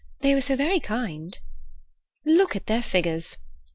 They were so very kind." "Look at their figures!"